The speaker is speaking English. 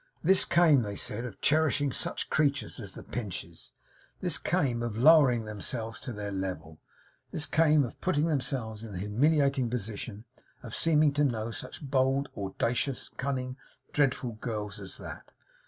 This came, they said, of cherishing such creatures as the Pinches. This came of lowering themselves to their level. This came of putting themselves in the humiliating position of seeming to know such bold, audacious, cunning, dreadful girls as that.